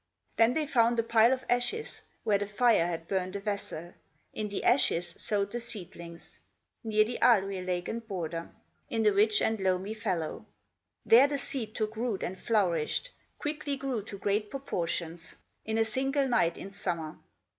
Then they found a pile of ashes, Where the fire had burned a vessel; In the ashes sowed the seedlings Near the Alue lake and border, In the rich and loamy fallow. There the seed took root and flourished, Quickly grew to great proportions, In a single night in summer.